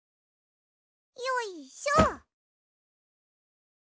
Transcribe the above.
よいしょ！